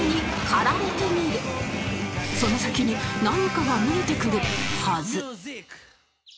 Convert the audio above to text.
その先に何かが見えてくるはず